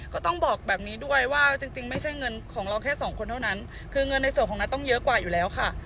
ก็ต้องบอกแบบนี้ด้วยว่าจริงไม่ใช่เงินของเราแค่สองคนเท่านั้นคือเงินในส่วนของนัทต้องเยอะกว่าอยู่แล้วค่ะ